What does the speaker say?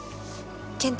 健太